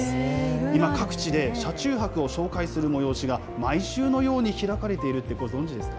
今、各地で車中泊を紹介する催しが、毎週のように開かれているってご存じですか。